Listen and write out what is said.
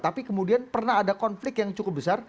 tapi kemudian pernah ada konflik yang cukup besar